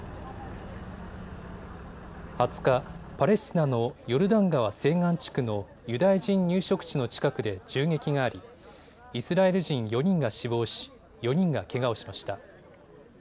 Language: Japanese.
２０日、パレスチナのヨルダン川西岸地区のユダヤ人入植地の近くで銃撃があり、イスラエル人４人が死亡し４人がけがをしました。